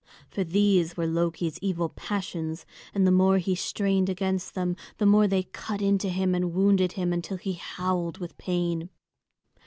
For these were Loki's evil passions, and the more he strained against them, the more they cut into him and wounded him until he howled with pain.